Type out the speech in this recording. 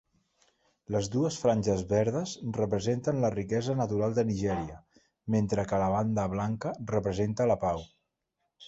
Les dues franges verdes representen la riquesa natural de Nigèria, mentre que la banda blanca representa la pau.